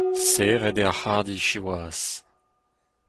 Serret eo ar c’harrdi, siwazh !